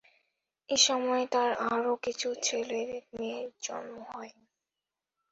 এ সময়ে তার আরো কিছু ছেলে-মেয়ের জন্ম হয়।